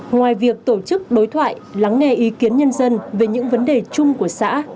ngoài việc tổ chức đối thoại lắng nghe ý kiến nhân dân về những vấn đề chung của xã